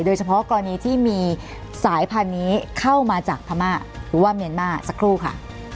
โดยเฉพาะกรณีที่มีสายพันธุ์นี้เข้ามาจากพม่าหรือว่าเมียนมาสักครู่ค่ะ